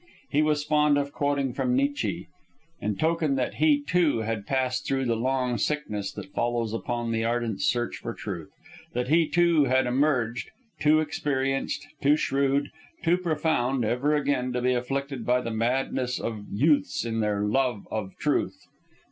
He was fond of quoting from Nietzsche, in token that he, too, had passed through the long sickness that follows upon the ardent search for truth; that he too had emerged, too experienced, too shrewd, too profound, ever again to be afflicted by the madness of youths in their love of truth.